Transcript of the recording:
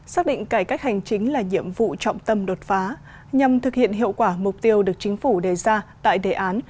xác định cải cách hành chính là nhiệm vụ trọng tâm đột phá nhằm thực hiện hiệu quả mục tiêu được chính phủ đề ra tại đề án